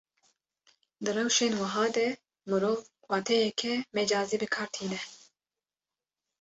Di rewşên wiha de mirov, wateyeke mecazî bi kar tîne